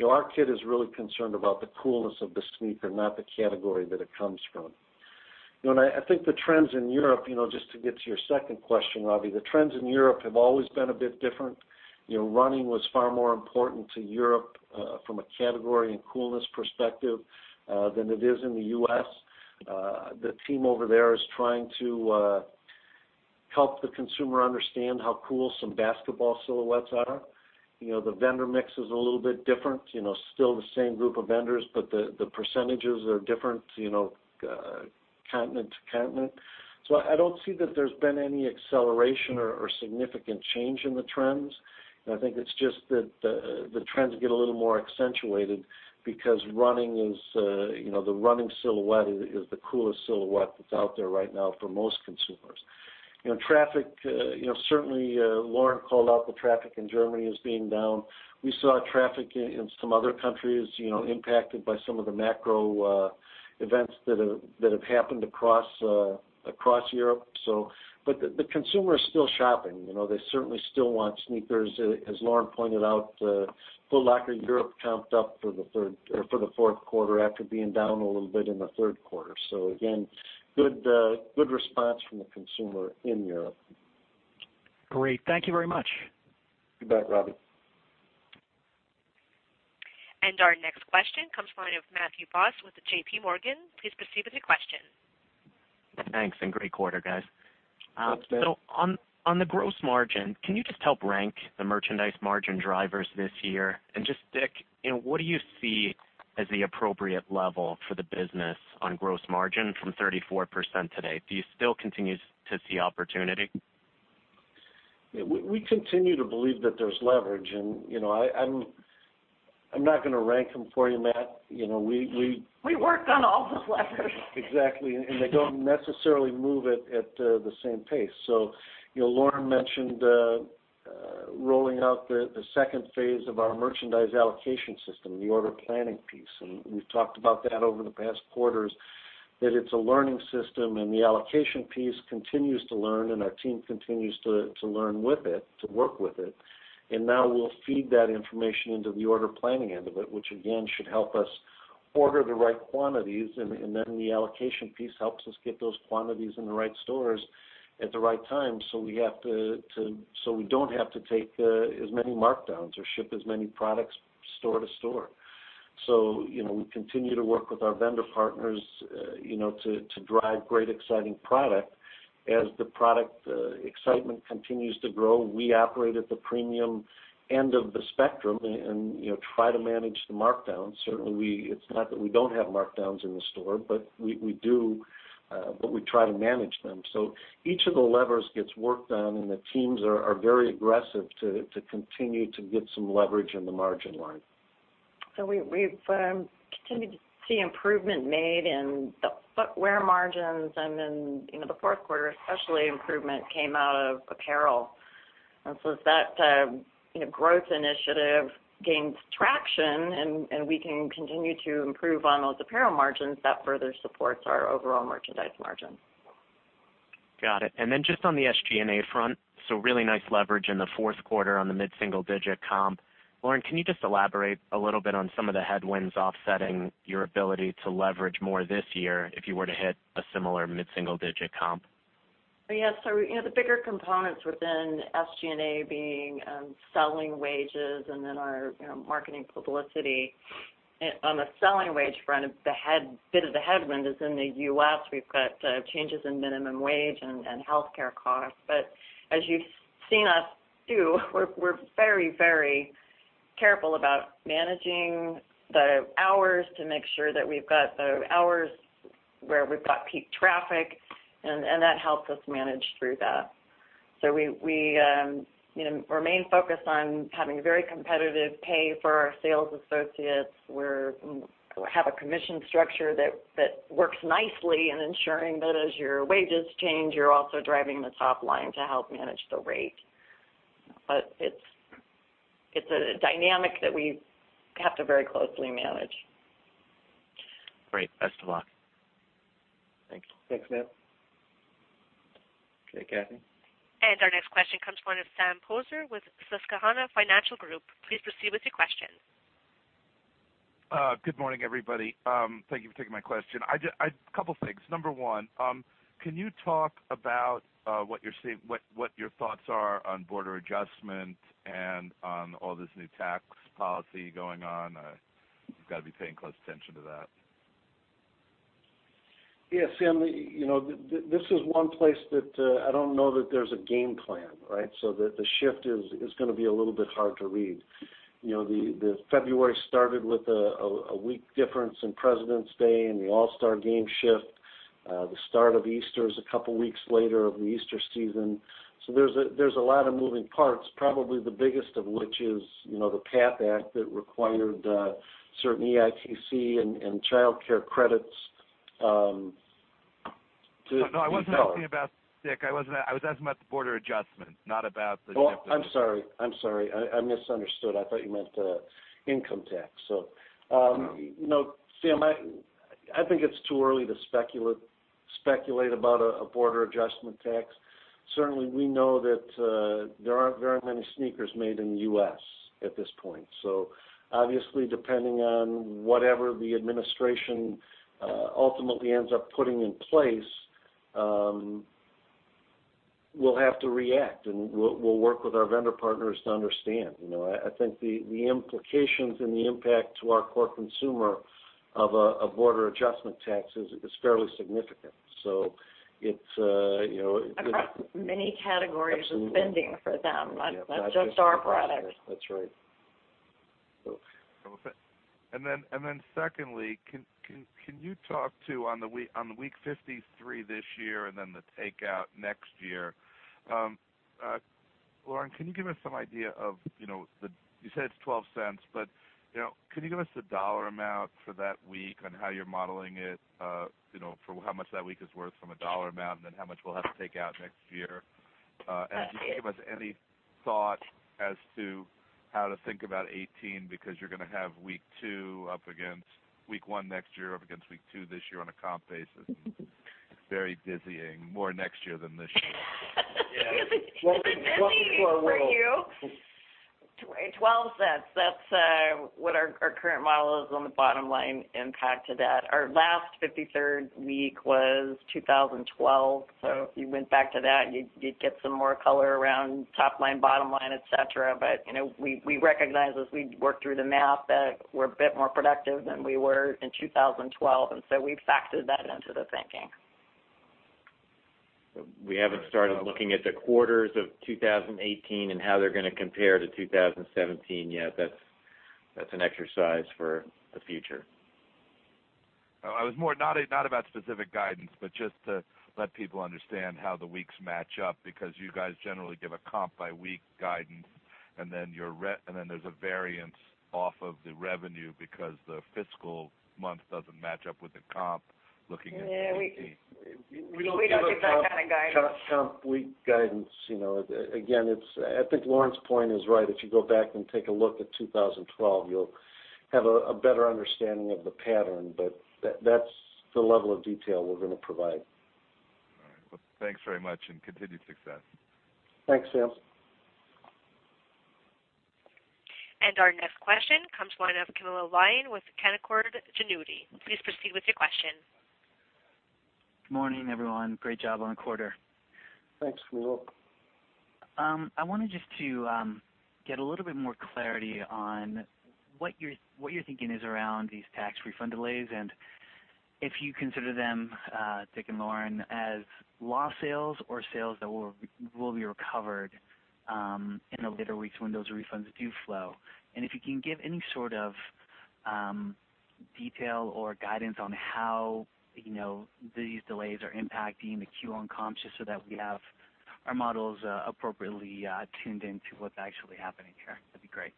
D: Our kid is really concerned about the coolness of the sneaker, not the category that it comes from. I think the trends in Europe, just to get to your second question, Robbie. The trends in Europe have always been a bit different. Running was far more important to Europe from a category and coolness perspective than it is in the U.S. The team over there is trying to help the consumer understand how cool some basketball silhouettes are. The vendor mix is a little bit different. Still the same group of vendors, but the percentages are different continent to continent. I don't see that there's been any acceleration or significant change in the trends. I think it's just that the trends get a little more accentuated because the running silhouette is the coolest silhouette that's out there right now for most consumers. Certainly, Lauren called out the traffic in Germany as being down. We saw traffic in some other countries impacted by some of the macro events that have happened across Europe. The consumer is still shopping. They certainly still want sneakers. As Lauren pointed out, Foot Locker in Europe comped up for the fourth quarter after being down a little bit in the third quarter. Again, good response from the consumer in Europe.
G: Great. Thank you very much.
D: You bet, Robbie.
A: Our next question comes from the line of Matthew Boss with J.P. Morgan. Please proceed with your question.
H: Thanks and great quarter, guys.
D: Thanks, Matt.
H: On the gross margin, can you just help rank the merchandise margin drivers this year? Just stick, what do you see as the appropriate level for the business on gross margin from 34% today? Do you still continue to see opportunity?
D: We continue to believe that there's leverage, and I'm not going to rank them for you, Matt.
C: We work on all the levers.
D: Exactly. They don't necessarily move at the same pace. Lauren mentioned rolling out the second phase of our merchandise allocation system, the order planning piece. We've talked about that over the past quarters, that it's a learning system, and the allocation piece continues to learn, and our team continues to learn with it, to work with it. Now we'll feed that information into the order planning end of it, which again should help us order the right quantities, and then the allocation piece helps us get those quantities in the right stores at the right time. We don't have to take as many markdowns or ship as many products store to store. We continue to work with our vendor partners to drive great, exciting product. As the product excitement continues to grow, we operate at the premium end of the spectrum and try to manage the markdowns. Certainly, it's not that we don't have markdowns in the store. We do, but we try to manage them. Each of the levers gets work done, and the teams are very aggressive to continue to get some leverage in the margin line.
C: We've continued to see improvement made in the footwear margins and in the fourth quarter especially, improvement came out of apparel. As that growth initiative gains traction and we can continue to improve on those apparel margins, that further supports our overall merchandise margin.
H: Got it. Just on the SG&A front, really nice leverage in the fourth quarter on the mid-single digit comp. Lauren, can you just elaborate a little bit on some of the headwinds offsetting your ability to leverage more this year if you were to hit a similar mid-single digit comp?
C: Yes. The bigger components within SG&A being selling wages and then our marketing publicity. On the selling wage front, a bit of the headwind is in the U.S. We've got changes in minimum wage and healthcare costs. As you've seen us do, we're very careful about managing the hours to make sure that we've got the hours where we've got peak traffic, and that helps us manage through that. We remain focused on having very competitive pay for our sales associates. We have a commission structure that works nicely in ensuring that as your wages change, you're also driving the top line to help manage the rate. It's a dynamic that we have to very closely manage.
H: Great. Best of luck.
D: Thanks, Matt. Okay, Kathy.
A: Our next question comes from Sam Poser with Susquehanna Financial Group. Please proceed with your question.
I: Good morning, everybody. Thank you for taking my question. A couple things. Number one, can you talk about what your thoughts are on border adjustment and on all this new tax policy going on? You've got to be paying close attention to that.
D: Yeah, Sam, this is one place that I don't know that there's a game plan, right? The shift is going to be a little bit hard to read. February started with a week difference in President's Day and the All-Star Game shift. The start of Easter is a couple weeks later of the Easter season. There's a lot of moving parts, probably the biggest of which is the PATH Act that required certain EITC and childcare credits to be-
I: No, I wasn't asking about that, Dick. I was asking about the border adjustment, not about the-
D: I'm sorry. I misunderstood. I thought you meant income tax. Sam, I think it's too early to speculate about a border adjustment tax. Certainly, we know that there aren't very many sneakers made in the U.S. at this point. Obviously, depending on whatever the administration ultimately ends up putting in place, we'll have to react, and we'll work with our vendor partners to understand. I think the implications and the impact to our core consumer of a border adjustment tax is fairly significant. It's
C: Across many categories of spending for them. Not just our products.
D: That's right.
I: Secondly, can you talk to on the week 53 this year and then the take out next year. Lauren, can you give us some idea of the, you said it's $0.12, but can you give us a dollar amount for that week on how you're modeling it for how much that week is worth from a dollar amount and then how much we'll have to take out next year? Just give us any thought as to how to think about 2018, because you're going to have week two up against week one next year up against week two this year on a comp basis. It's very dizzying, more next year than this year.
B: Is it dizzying for you?
D: $0.12. That's what our current model is on the bottom line impact to that. Our last 53rd week was 2012, so if you went back to that, you'd get some more color around top line, bottom line, et cetera. We recognize as we work through the math that we're a bit more productive than we were in 2012, we've factored that into the thinking.
B: We haven't started looking at the quarters of 2018 and how they're going to compare to 2017 yet. That's an exercise for the future.
I: I was more, not about specific guidance, but just to let people understand how the weeks match up, you guys generally give a comp by week guidance, there's a variance off of the revenue the fiscal month doesn't match up with the comp looking into 2018.
B: Yeah. We don't give that kind of guidance.
D: We don't give that kind of guidance.
B: Comp week guidance. I think Lauren's point is right. If you go back and take a look at 2012, you'll have a better understanding of the pattern, but that's the level of detail we're going to provide.
I: All right. Well, thanks very much and continued success.
D: Thanks, Sam.
A: Our next question comes line of Camilo Lyon with Canaccord Genuity. Please proceed with your question.
J: Morning, everyone. Great job on the quarter.
D: Thanks, Camilo.
J: I wanted just to get a little bit more clarity on what your thinking is around these tax refund delays. If you consider them, Richard and Lauren, as lost sales or sales that will be recovered in the later weeks when those refunds do flow. If you can give any sort of detail or guidance on how these delays are impacting the Q1 comps just so that we have our models appropriately tuned into what's actually happening here, that'd be great.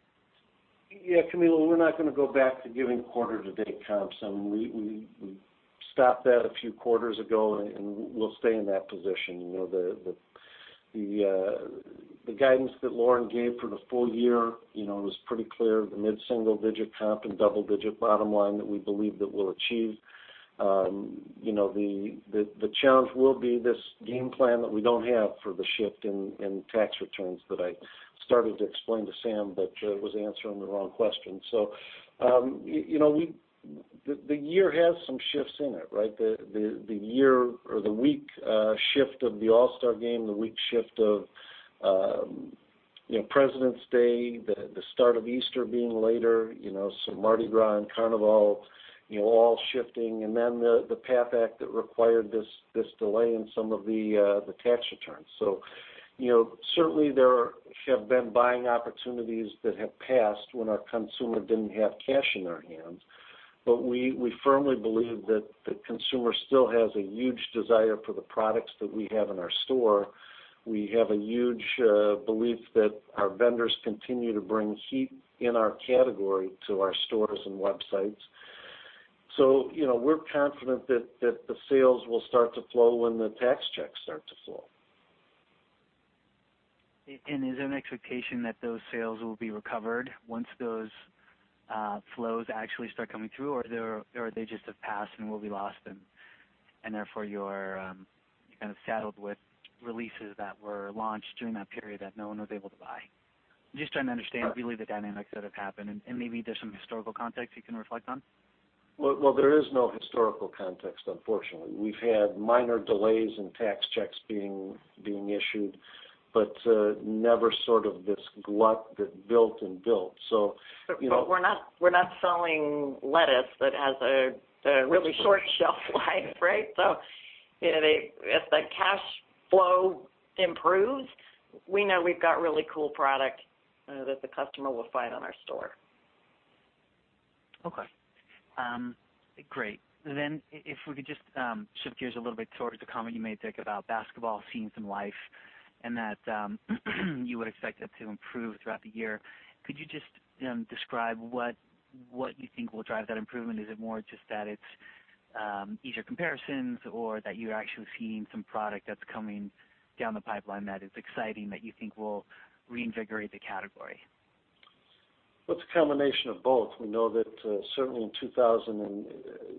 D: Yeah, Camilo, we're not going to go back to giving quarter to date comps. We stopped that a few quarters ago, and we'll stay in that position. The guidance that Lauren gave for the full year, was pretty clear, the mid-single digit comp and double-digit bottom line that we believe that we'll achieve. The challenge will be this game plan that we don't have for the shift in tax returns that I started to explain to Sam, but was answering the wrong question. The year has some shifts in it, right? The year or the week shift of the All-Star Game, the week shift of President's Day, the start of Easter being later, some Mardi Gras and Carnival all shifting. Then the PATH Act that required this delay in some of the tax returns. Certainly there have been buying opportunities that have passed when our consumer didn't have cash in their hands. We firmly believe that the consumer still has a huge desire for the products that we have in our store. We have a huge belief that our vendors continue to bring heat in our category to our stores and websites. We're confident that the sales will start to flow when the tax checks start to flow.
J: Is there an expectation that those sales will be recovered once those flows actually start coming through, or they just have passed and will be lost and therefore you're kind of saddled with releases that were launched during that period that no one was able to buy? Just trying to understand really the dynamics that have happened, and maybe there's some historical context you can reflect on.
D: There is no historical context, unfortunately. We've had minor delays in tax checks being issued, but never sort of this glut that built and built.
B: We're not selling lettuce that has a really short shelf life, right? If the cash flow improves, we know we've got really cool product that the customer will find on our store.
J: Okay. Great. If we could just shift gears a little bit towards the comment you made, Dick, about basketball seeing some life and that you would expect that to improve throughout the year. Could you just describe what you think will drive that improvement? Is it more just that it's easier comparisons or that you're actually seeing some product that's coming down the pipeline that is exciting that you think will reinvigorate the category?
D: It's a combination of both. We know that certainly in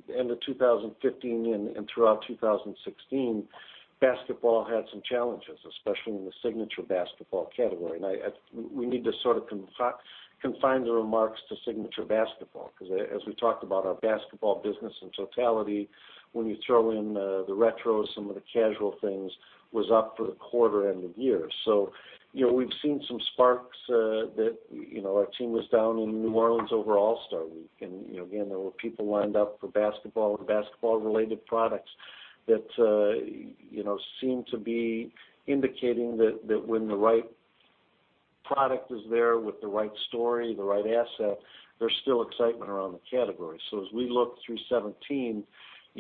D: the end of 2015 and throughout 2016, basketball had some challenges, especially in the signature basketball category. We need to sort of confine the remarks to signature basketball because as we talked about our basketball business in totality, when you throw in the retros, some of the casual things, was up for the quarter end of year. We've seen some sparks that our team was down in New Orleans over All-Star Week. Again, there were people lined up for basketball and basketball-related products that seem to be indicating that when the right product is there with the right story, the right asset, there's still excitement around the category. As we look through 2017,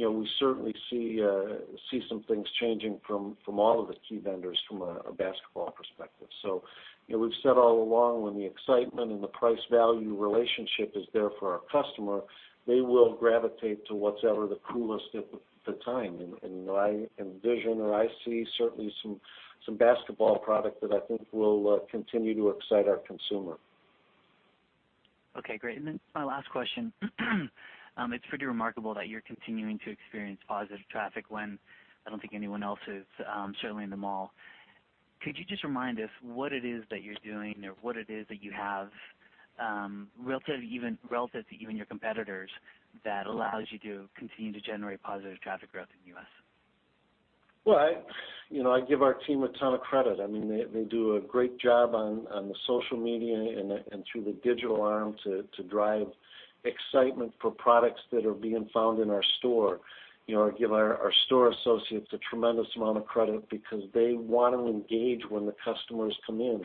D: we certainly see some things changing from all of the key vendors from a basketball perspective. We've said all along when the excitement and the price value relationship is there for our customer, they will gravitate to whatever the coolest at the time. I envision, or I see certainly some basketball product that I think will continue to excite our consumer.
J: Okay, great. My last question. It's pretty remarkable that you're continuing to experience positive traffic when I don't think anyone else is, certainly in the mall. Could you just remind us what it is that you're doing or what it is that you have, relative to even your competitors, that allows you to continue to generate positive traffic growth in the U.S.?
D: Well, I give our team a ton of credit. They do a great job on the social media and through the digital arm to drive excitement for products that are being found in our store. I give our store associates a tremendous amount of credit because they want to engage when the customers come in.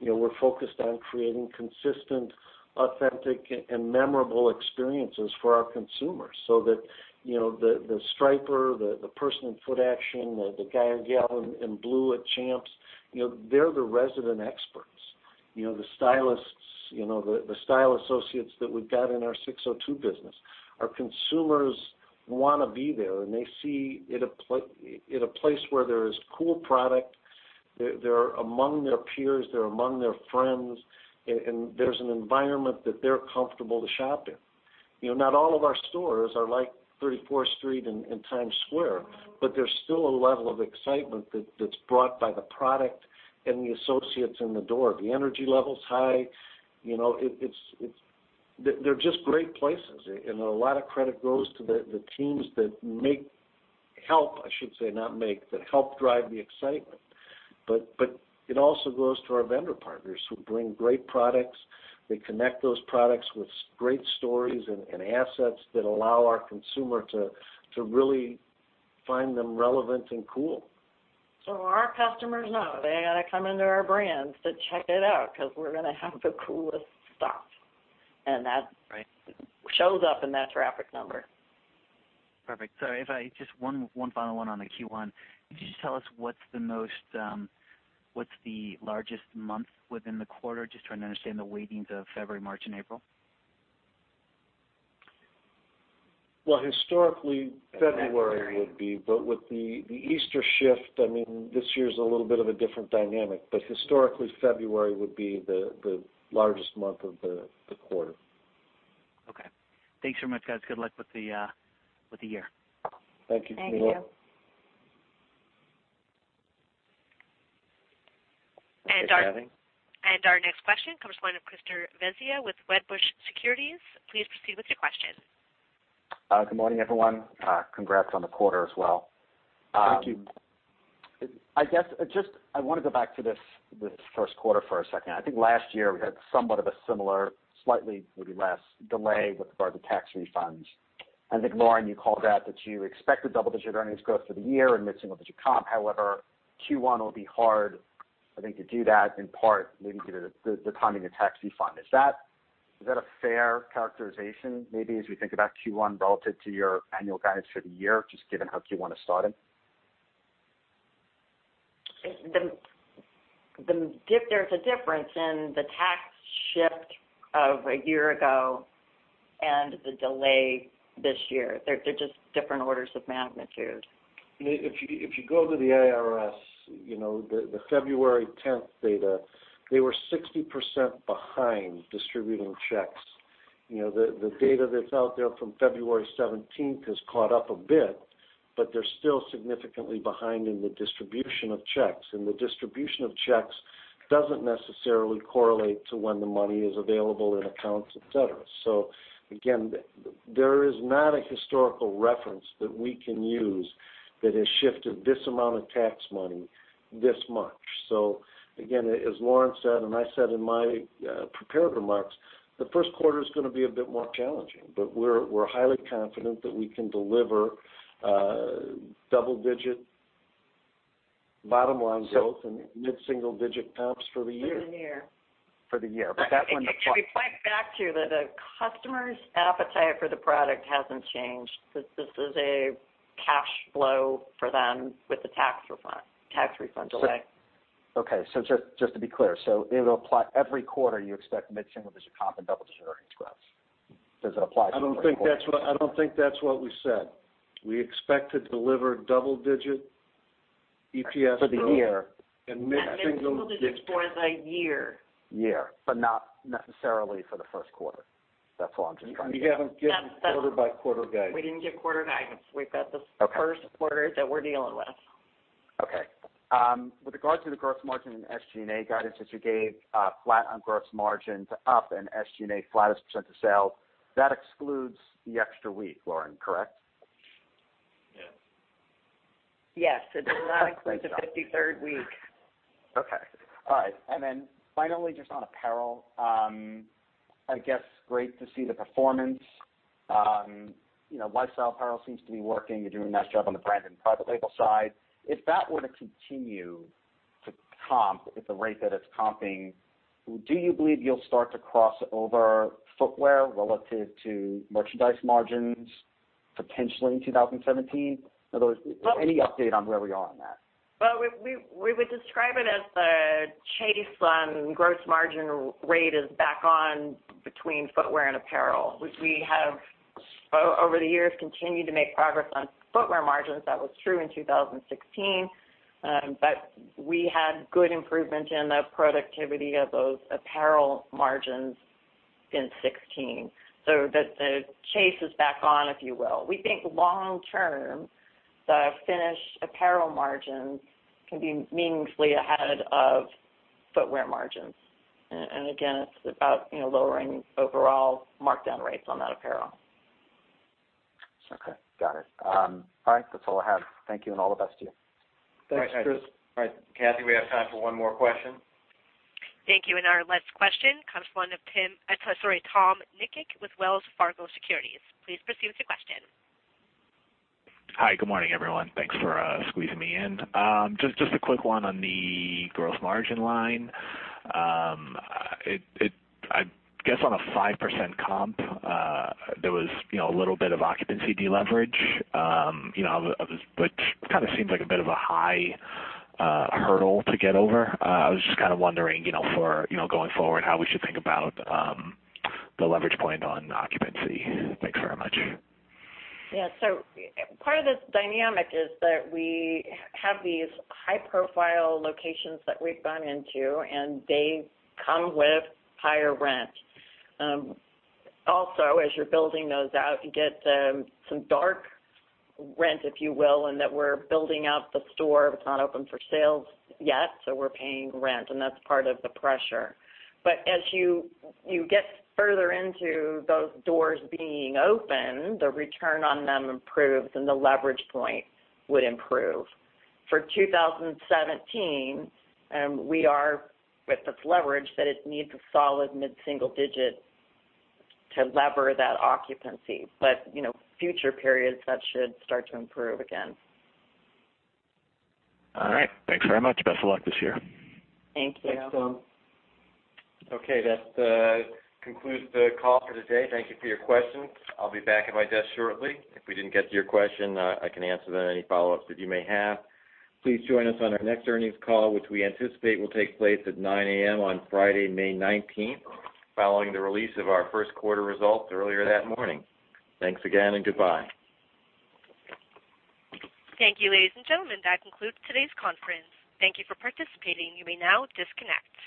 D: We're focused on creating consistent, authentic, and memorable experiences for our consumers so that the striper, the person in Footaction, the guy or gal in blue at Champs, they're the resident experts. The style associates that we've got in our SIX:02 business. Our consumers want to be there, they see it a place where there is cool product. They're among their peers, they're among their friends, and there's an environment that they're comfortable to shop in. Not all of our stores are like 34th Street in Times Square, there's still a level of excitement that's brought by the product and the associates in the door. The energy level is high. They're just great places. A lot of credit goes to the teams that help drive the excitement. It also goes to our vendor partners who bring great products. They connect those products with great stories and assets that allow our consumer to really find them relevant and cool.
C: Our customers know they gotta come into our brands to check it out because we're gonna have the coolest stuff.
J: Right.
C: That shows up in that traffic number.
J: Perfect. Sorry, just one final one on the Q1. Could you just tell us what's the largest month within the quarter? Just trying to understand the weightings of February, March, and April.
D: Historically, February would be, but with the Easter shift, this year's a little bit of a different dynamic. Historically, February would be the largest month of the quarter.
J: Okay. Thanks so much, guys. Good luck with the year.
D: Thank you.
C: Thank you.
J: Thanks for having me.
A: Our next question comes from the line of Christopher Svezia with Wedbush Securities. Please proceed with your question.
K: Good morning, everyone. Congrats on the quarter as well.
D: Thank you.
K: I want to go back to this first quarter for a second. I think last year we had somewhat of a similar, slightly, maybe less delay with regard to tax refunds. I think, Lauren, you called out that you expect a double-digit earnings growth for the year and mid-single digit comp. However, Q1 will be hard, I think, to do that, in part relating to the timing of tax refund. Is that a fair characterization, maybe as we think about Q1 relative to your annual guidance for the year, just given how Q1 has started?
C: There's a difference in the tax shift of a year ago and the delay this year. They're just different orders of magnitude.
D: If you go to the IRS, the February 10th data, they were 60% behind distributing checks. The data that's out there from February 17th has caught up a bit, but they're still significantly behind in the distribution of checks. The distribution of checks doesn't necessarily correlate to when the money is available in accounts, et cetera. Again, as Lauren said, and I said in my prepared remarks, the first quarter is gonna be a bit more challenging, but we're highly confident that we can deliver double-digit bottom line growth and mid-single digit comps for the year.
C: For the year.
K: For the year.
C: To be quite back to you, the customer's appetite for the product hasn't changed. This is a cash flow for them with the tax refund delay.
K: Okay. Just to be clear, it'll apply every quarter you expect mid-single-digit comp and double-digit earnings growth. Does it apply to the first quarter?
D: I don't think that's what we said. We expect to deliver double-digit EPS growth.
K: For the year.
D: Mid-single digit-
C: Mid-single digits for the year.
K: Year. Not necessarily for the first quarter. That's all I'm just trying to be clear.
D: We haven't given quarter by quarter guidance.
C: We didn't give quarter guidance. We've got the first quarter that we're dealing with.
K: Okay. With regards to the gross margin and SG&A guidance that you gave, flat on gross margins up and SG&A flat % of sales, that excludes the extra week, Lauren, correct?
D: Yes.
C: Yes. It does not include the 53rd week.
K: Finally, just on apparel. I guess great to see the performance. Lifestyle apparel seems to be working. You're doing a nice job on the brand and private label side. If that were to continue to comp at the rate that it's comping, do you believe you'll start to cross over footwear relative to merchandise margins potentially in 2017? Any update on where we are on that?
C: Well, we would describe it as the chase on gross margin rate is back on between footwear and apparel, which we have over the years, continued to make progress on footwear margins. That was true in 2016. We had good improvement in the productivity of those apparel margins in 2016. The chase is back on, if you will. We think long term, the finished apparel margins can be meaningfully ahead of footwear margins. Again, it is about lowering overall markdown rates on that apparel.
K: Okay, got it. All right, that is all I have. Thank you and all the best to you.
C: Thanks, Chris.
B: All right, Kathy, we have time for one more question.
A: Thank you. Our last question comes from Tom Nikic with Wells Fargo Securities. Please proceed with your question.
L: Hi, good morning, everyone. Thanks for squeezing me in. Just a quick one on the gross margin line. I guess on a 5% comp, there was a little bit of occupancy deleverage, which kind of seems like a bit of a high hurdle to get over. I was just kind of wondering for going forward how we should think about the leverage point on occupancy. Thanks very much.
C: Yeah. Part of this dynamic is that we have these high profile locations that we've gone into, and they come with higher rent. Also, as you're building those out, you get some dark rent, if you will, in that we're building out the store, but it's not open for sales yet, so we're paying rent, and that's part of the pressure. As you get further into those doors being open, the return on them improves, and the leverage point would improve. For 2017, we are with this leverage that it needs a solid mid-single digit to lever that occupancy. Future periods, that should start to improve again.
L: All right, thanks very much. Best of luck this year.
C: Thank you.
B: Thanks, Tom. That concludes the call for today. Thank you for your questions. I'll be back at my desk shortly. If we didn't get to your question, I can answer any follow-ups that you may have. Please join us on our next earnings call, which we anticipate will take place at 9:00 A.M. on Friday, May 19th, following the release of our first quarter results earlier that morning. Thanks again, and goodbye.
A: Thank you, ladies and gentlemen. That concludes today's conference. Thank you for participating. You may now disconnect.